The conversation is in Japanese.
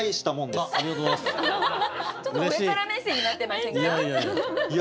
ちょっと上から目線になってませんか？